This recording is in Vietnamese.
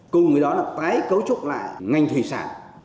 cùng với đó là tái cấu trúc lại ngành thủy sản